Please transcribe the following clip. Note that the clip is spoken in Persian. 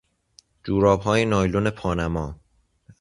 جورابهای نایلون پانما